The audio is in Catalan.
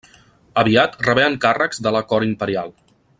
Aviat rebé encàrrecs de la cort imperial.